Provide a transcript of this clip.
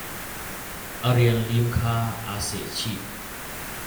A rian lim kha aa sehchih.